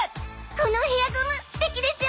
このヘアゴム素敵でしょ？